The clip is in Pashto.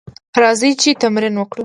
راځئ چې تمرین وکړو: